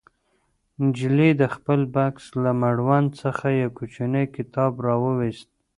نجلۍ د خپل بکس له مړوند څخه یو کوچنی کتاب راوویست.